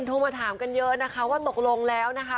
โทรมาถามกันเยอะนะคะว่าตกลงแล้วนะคะ